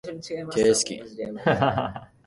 提出期限